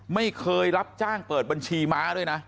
ไม่เคยรับจ้างเปิดบัญชีม้าด้วยนะ